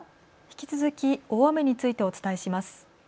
引き続き大雨についてお伝えします。